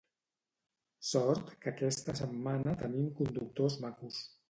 Sort que aquesta setmana tenim conductors macos